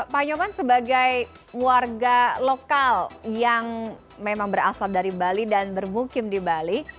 pak nyoman sebagai warga lokal yang memang berasal dari bali dan bermukim di bali